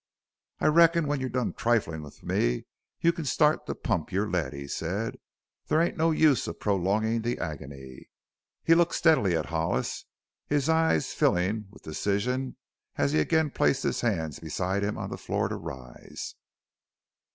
"I reckon when you're done triflin' with me you c'n start to pumpin' your lead," he said. "There ain't no use of prolongin' the agony." He looked steadily at Hollis, his eyes filling with decision as he again placed his hands beside him on the floor to rise.